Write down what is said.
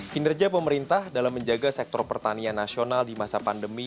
kinerja pemerintah dalam menjaga sektor pertanian nasional di masa pandemi